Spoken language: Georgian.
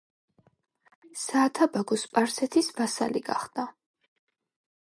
საათაბაგო სპარსეთის ვასალი გახდა.